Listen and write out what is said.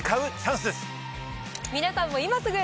皆さんも今すぐ。